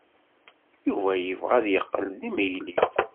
Yuba yebɣa ad yeqqel d imegli.